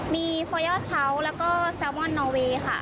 มีฟอยอดเช้าแล้วก็แซลมอนนอเวย์ค่ะ